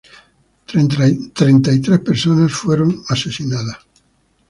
Treinta y tres personas fueron ejecutadas.